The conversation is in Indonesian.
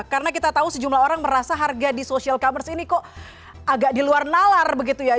karena kita tahu sejumlah orang merasa harga di social commerce ini kok agak diluar nalar begitu ya